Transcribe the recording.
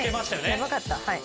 やばかったはい。